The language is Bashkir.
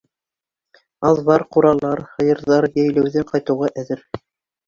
Аҙбар-ҡуралар һыйырҙар йәйләүҙән ҡайтыуға әҙер.